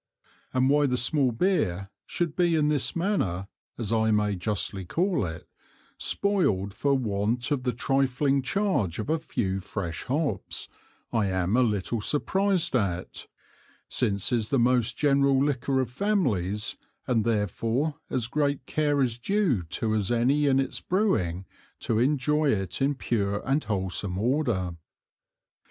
And why the small Beer should be in this manner (as I may justly call it) spoiled for want of the trifling Charge of a few fresh Hops, I am a little surprized at, since is the most general Liquor of Families and therefore as great Care is due to as any in its Brewing, to enjoy it in pure and wholsome Order.